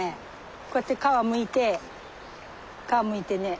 こうやって皮むいて皮むいてね